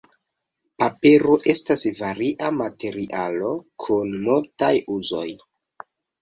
Papero estas varia materialo kun multaj uzoj.